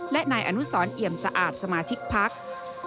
และนายอนุสรเหยียมสะอาดสมาชิกภักดิ์